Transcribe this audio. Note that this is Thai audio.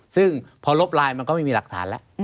ซึ่งพอลบไลน์มันก็ไม่มีหลักฐานแล้ว